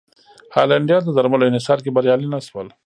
هالنډیان د درملو انحصار کې بریالي نه شول.